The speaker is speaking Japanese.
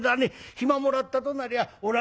暇もらったとなりゃおら